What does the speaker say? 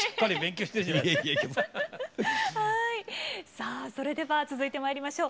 さあそれでは続いてまいりましょう。